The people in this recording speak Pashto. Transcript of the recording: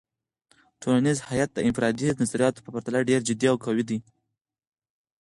ټولنیز هیت د انفرادي نظریاتو په پرتله ډیر جدي او قوي دی.